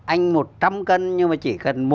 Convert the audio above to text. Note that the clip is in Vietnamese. anh một trăm linh cân nhưng mà chỉ cần